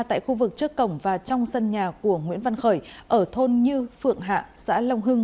tại khu vực trước cổng và trong sân nhà của nguyễn văn khởi ở thôn như phượng hạ xã long hưng